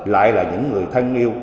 lại là những người thân yêu